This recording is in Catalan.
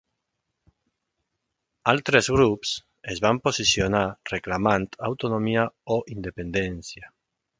Altres grups es van posicionar reclamant autonomia o independència.